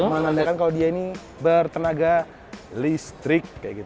menandakan kalau dia ini bertenaga listrik